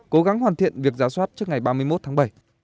cố gắng hoàn thiện việc giá soát trước ngày ba mươi một tháng bảy